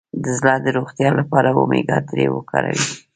د زړه د روغتیا لپاره اومیګا تري وکاروئ